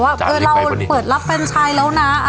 ว่าเราเปิดรับแฟนชายแล้วนะ